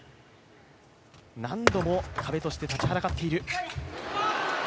何度も壁として立ちはだかっている。